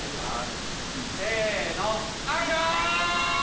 せーの、アクション。